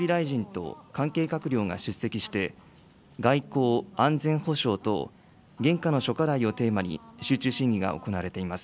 きょうは岸田総理大臣と関係閣僚が出席して、外交・安全保障等現下の諸課題をテーマに、集中審議が行われています。